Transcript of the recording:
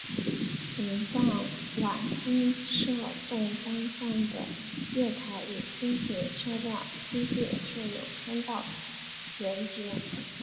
此站往新设洞方向的月台与君子车辆基地设有通道连结。